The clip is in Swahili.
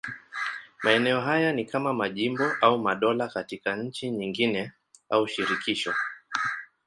Maeneo haya ni kama majimbo au madola katika nchi nyingine ya shirikisho.